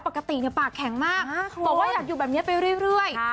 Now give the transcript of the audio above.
ปกติปากแข็งมากบอกว่าอยากอยู่แบบนี้ไปเรื่อย